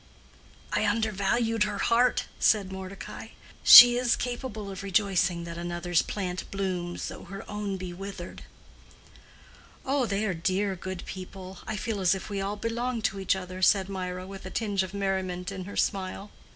"I undervalued her heart," said Mordecai. "She is capable of rejoicing that another's plant blooms though her own be withered." "Oh, they are dear good people; I feel as if we all belonged to each other," said Mirah, with a tinge of merriment in her smile.